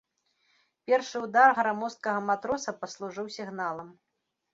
Першы ўдар грамоздкага матроса паслужыў сігналам.